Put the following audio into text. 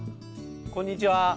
こんにちは。